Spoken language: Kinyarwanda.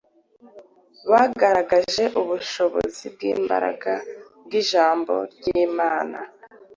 bagaragaje ubushobozi n’imbaraga by’Ijambo ry’Imana